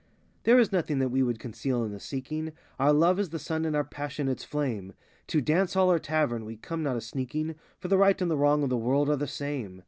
There is nothing that we would conceal in the seeking; Our love is the sun and our passion its flame; To dance hall or tavern, we come not a sneaking; For the right and the wrong of the world are the same.